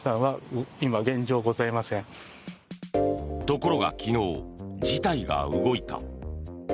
ところが昨日、事態が動いた。